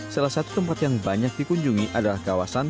salah satu tempat yang banyak dikunjungi adalah kawasan